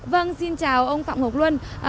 vâng xin chào ông phạm ngọc luân